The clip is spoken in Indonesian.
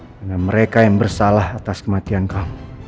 karena mereka yang bersalah atas kematian kamu